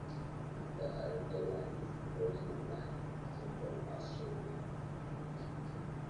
The Arrernte land is aboriginal land in central Australia.